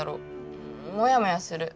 んモヤモヤする。